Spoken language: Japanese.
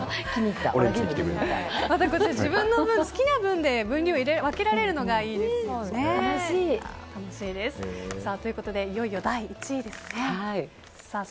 また、自分の好きな分量を分けられるのがいいですよね。ということでいよいよ第１位ですね。